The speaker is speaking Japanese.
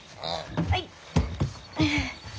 はい。